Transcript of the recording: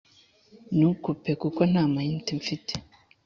Nukupe kuko ntama inite mfite